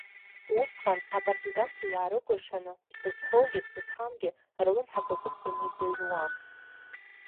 Усҟан, апартизанцәа иаарыкәыршаны, ԥсы зхоугьы, ԥсы зхамгьы рлымҳақәа кыдҵаны иӡырҩуан.